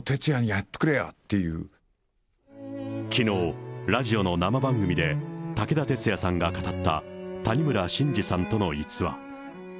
ちょっと、きのう、ラジオの生番組で、武田鉄矢さんが語った谷村新司さんとの逸話。